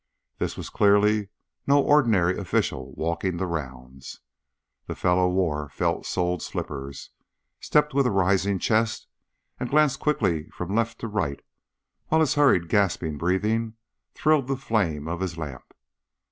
This was clearly no ordinary official walking the rounds. The fellow wore felt soled slippers, stepped with a rising chest, and glanced quickly from left to right, while his hurried gasping breathing thrilled the flame of his lamp.